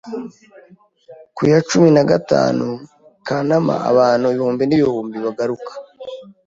Ku ya cumi na gatanu Kanama, abantu ibihumbi n'ibihumbi baguruka